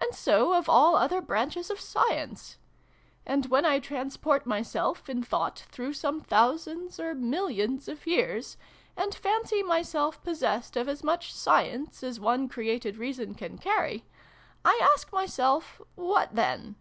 And so of all other branches of Science. And, XVI] BEYOND THESE VOICES. 259 when I transport myself, in thought, through some thousands or millions of years, and fancy myself possessed of as much Science as one created reason can carry, I ask myself ' What then